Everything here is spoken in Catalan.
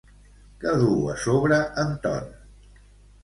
Què duu a sobre en Ton?